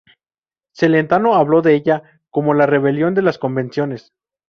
Celentano habló de ella como ""la rebelión de las convenciones.